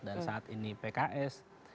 dan saat ini pks